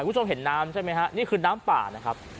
คุณผู้ชมเห็นน้ำใช่ไหมฮะนี่คือน้ำป่านะครับ